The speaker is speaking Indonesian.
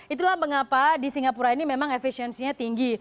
itulah mengapa di singapura ini memang efisiensinya tinggi